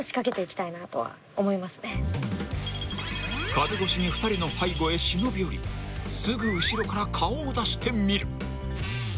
［壁越しに２人の背後へ忍び寄りすぐ後ろから顔を出してみる］